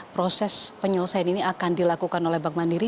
proses penyelesaian ini akan dilakukan oleh bank mandiri